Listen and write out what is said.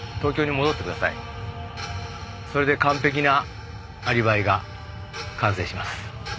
それで完璧なアリバイが完成します。